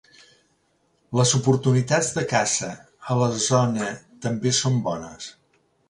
Les oportunitats de caça a la zona també són bones.